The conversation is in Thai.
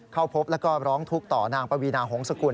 เข้าพบแล้วก็ร้องทุกข์ต่อนางปวีนาหงษกุล